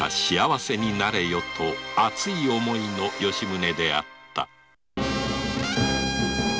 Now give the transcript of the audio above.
幸せになれよと熱い思いの吉宗であった